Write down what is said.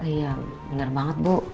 iya benar banget bu